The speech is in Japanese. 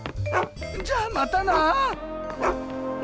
じゃあまたな。